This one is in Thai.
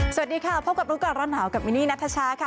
สวัสดีค่ะพบกับรู้ก่อนร้อนหนาวกับมินนี่นัทชาค่ะ